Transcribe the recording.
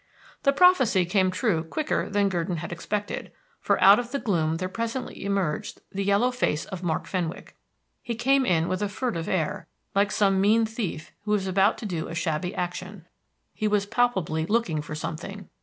The prophecy came true quicker than Gurdon had expected, for out of the gloom there presently emerged the yellow face of Mark Fenwick. He came in with a furtive air, like some mean thief who is about to do a shabby action. He was palpably looking for something.